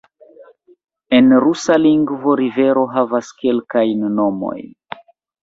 En rusa lingvo rivero havas kelkajn nomojn.